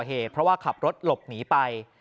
เหตุเพราะว่าขับรถหลบหนีไป